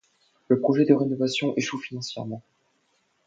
Le projet de rénovation échoue financièrement.